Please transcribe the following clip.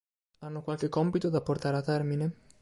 Hanno qualche compito da portare a termine?